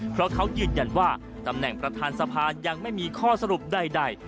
เพราะเขายืนยันว่าตำแหน่งประธานสภายังไม่มีข้อสรุปใด